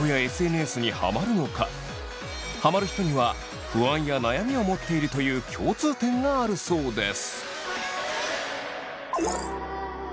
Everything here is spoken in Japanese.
ハマる人には不安や悩みを持っているという共通点があるそうです。